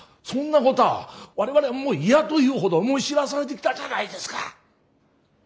そんなことは我々はもう嫌というほど思い知らされてきたじゃないですか。